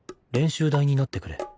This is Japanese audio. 練習台になってくれ。